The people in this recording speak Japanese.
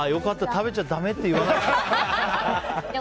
食べちゃダメって言わない。